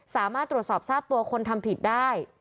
สามารถตรวจสอบทราบตัวคนทำผิดได้